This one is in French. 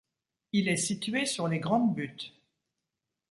Il est situé sur les Grandes Buttes.